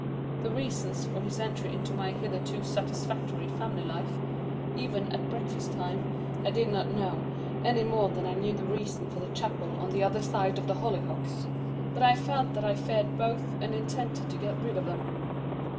The reasons for his entry into my hitherto satisfactory family life, even at breakfast time, I did not know, any more than I knew the reason for the chapel on the other side of the hollyhocks, but I felt that I feared both and intended to get rid of them.